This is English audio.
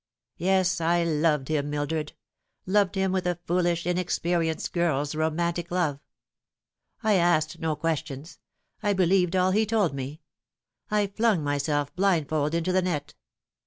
"Yes, I loved him, Mildred loved him with a foolish, inexperienced girl's romantic love. I asked no questions. I believed all he told me. I flung myself blindfold into the net.